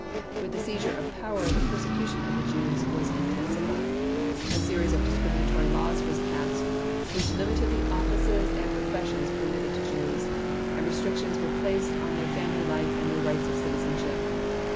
With the seizure of power, the persecution of the Jews was intensified. A series of discriminatory laws was passed, which limited the offices and professions permitted to Jews; and restrictions were placed on their family life and their rights of citizenship.